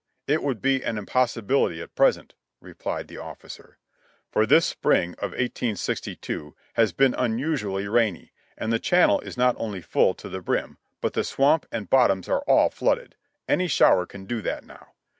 It would be an impossibility at present," replied the officer; "for this spring of 1862 has been unusually rainy, and the channel is not only full to the brim, but the swamp and bot toms are all flooded, — any shower can do that now.